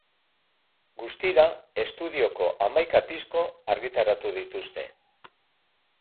Guztira, estudioko hamaika disko argitaratu dituzte.